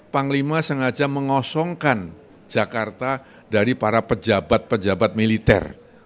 panglima sengaja mengosongkan jakarta dari para pejabat pejabat militer